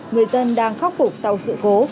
người dân đang khóc phục sau sự cố